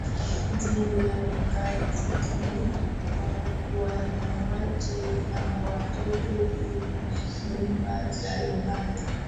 dhidi ya ukatili wa wanawake na watoto kwenye nyumba za ibada